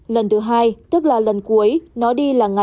lần thứ hai tức là lần cuối